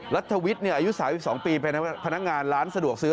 รัฐวิทย์อายุ๓๒ปีเป็นพนักงานร้านสะดวกซื้อ